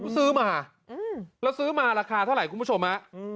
ซื้อมาแล้วซื้อมาราคาเท่าไหร่คุณผู้ชมฮะ